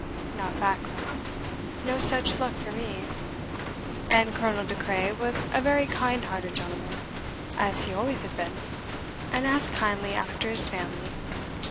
"Not back, colonel; no such luck for me" and Colonel De Craye was a very kind hearted gentleman, as he always had been, and asked kindly after his family.